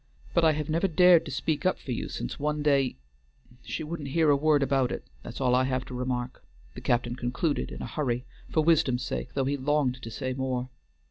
But I never have dared to speak up for you since one day she wouldn't hear a word about it, that's all I have to remark," the captain concluded in a hurry, for wisdom's sake, though he longed to say more.